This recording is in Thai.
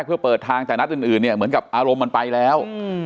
เพื่อเปิดทางแต่นัดอื่นเนี่ยเหมือนกับอารมณ์มันไปแล้ว